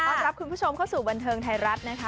รับคุณผู้ชมเข้าสู่บันเทิงไทยรัฐนะคะ